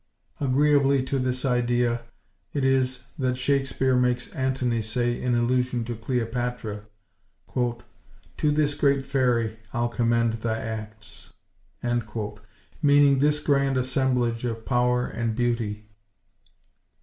Agreeably to this idea it is that Shakespeare makes Antony say in allusion to Cleopatra— "To this great fairy I'll commend thy acts," meaning this grand assemblage of power and beauty.